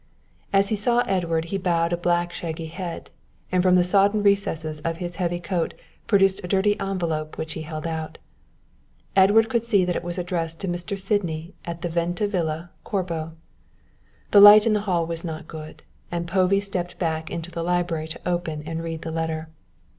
As he saw Edward he bowed a black shaggy head, and from the sodden recesses of his heavy coat produced a dirty envelope which he held out. Edward could see it was addressed to Mr. Sydney, at the Venta Villa, Corbo. The light in the hall was not good, and Povey stepped back into the library to open and read the letter.